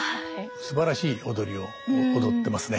すばらしい踊りを踊ってますね